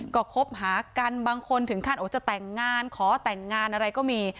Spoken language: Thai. ก็คบหากันบางคนถึงขั้นจะแต่งงานขอแต่งงานอะไรก็มี